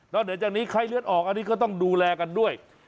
เหนือจากนี้ไข้เลือดออกอันนี้ก็ต้องดูแลกันด้วย